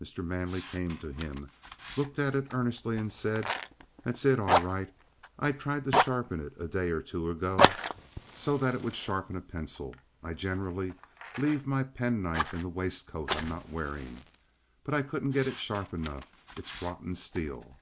Mr. Manley came to him, looked at it earnestly, and said: "That's it all right. I tried to sharpen it a day or two ago, so that it would sharpen a pencil. I generally leave my penknife in the waist coat I'm not wearing. But I couldn't get it sharp enough. It's rotten steel."